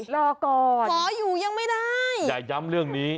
รอก่อนขออยู่ยังไม่ได้แต่ย้ำเรื่องนี้